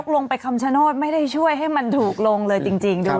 ลงไปคำชโนธไม่ได้ช่วยให้มันถูกลงเลยจริงด้วย